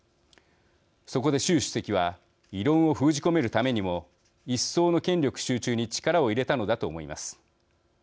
そこで習主席は異論を封じ込めるためにも一層の権力集中に力を入れたのだと思います。